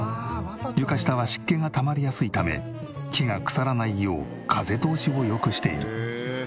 床下は湿気がたまりやすいため木が腐らないよう風通しを良くしている。